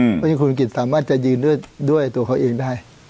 ไม่ใช่พี่หมอคุณมงคลกิจสามารถจะยืนด้วยตัวเขาเองได้